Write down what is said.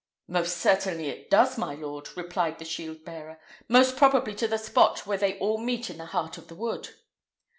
"Most certainly it does, my lord," replied the shield bearer: "most probably to the spot where they all meet in the heart of the wood."